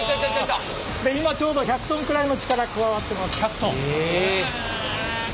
今ちょうど１００トンくらいの力加わってます。